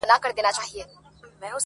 بريالي به را روان وي -